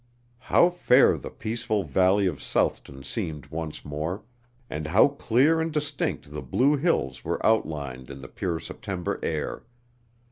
How fair the peaceful valley of Southton seemed once more, and how clear and distinct the Blue Hills were outlined in the pure September air!